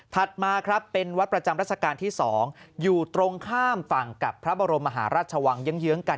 มาครับเป็นวัดประจำรัชกาลที่๒อยู่ตรงข้ามฝั่งกับพระบรมมหาราชวังเยื้องกัน